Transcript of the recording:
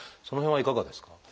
その辺はいかがですか？